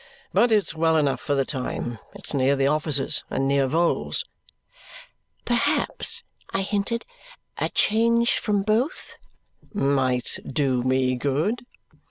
But it's well enough for the time. It's near the offices and near Vholes." "Perhaps," I hinted, "a change from both " "Might do me good?"